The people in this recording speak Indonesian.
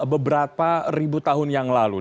beberapa ribu tahun yang lalu